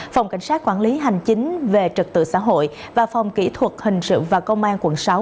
phòng cảnh sát quản lý hành chính về trật tự xã hội và phòng kỹ thuật hình sự và công an quận sáu